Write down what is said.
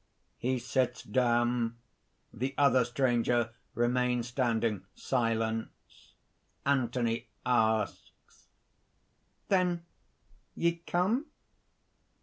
(He sits down. The other stranger remains standing. Silence.) ANTHONY (asks). "Then ye come?..."